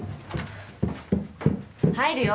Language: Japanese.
入るよ。